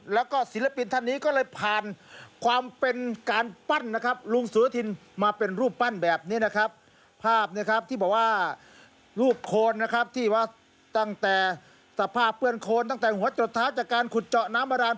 แล้วก็ศิลปินท่านนี้ก็เลยผ่านความเป็นการปั้นนะครับลุงสุรไลทินมาเป็นรูปปั้นแบบนี้นะครับ